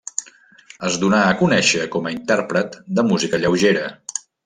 Es donà a conèixer com intèrpret de música lleugera.